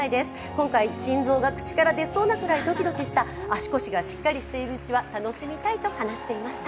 今回心臓が口から出そうなくらいドキドキした足腰がしっかりしているうちは楽しみたいと話していました。